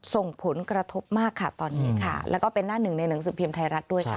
ส่งผลกระทบมากค่ะตอนนี้ค่ะแล้วก็เป็นหน้าหนึ่งในหนังสือพิมพ์ไทยรัฐด้วยค่ะ